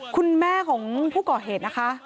คุณแม่ของผู้ก่อเหตุนะคะ